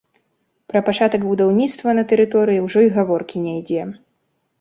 Пра пачатак будаўніцтва на тэрыторыі ўжо і гаворкі не ідзе.